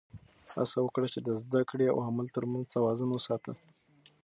هڅه وکړه چې د زده کړې او عمل تر منځ توازن وساته.